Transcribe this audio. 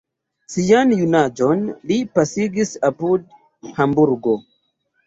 Sian junaĝon li pasigis apud Hamburgo.